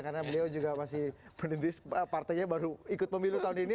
karena beliau juga masih pendidik partainya baru ikut pemilu tahun ini